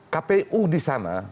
kpu di sana